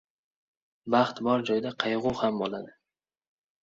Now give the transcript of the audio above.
• Baxt bor joyda qayg‘u ham bo‘ladi.